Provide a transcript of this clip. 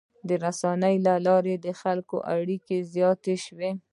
د رسنیو له لارې د خلکو اړیکې زیاتې شوي.